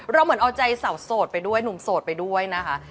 เหมือนเอาใจสาวโสดไปด้วยหนุ่มโสดไปด้วยนะคะ